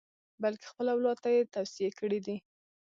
بلکې خپل اولاد ته یې توصیې کړې دي.